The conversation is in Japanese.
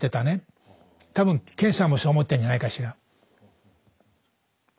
多分健さんもそう思ってんじゃないかしら。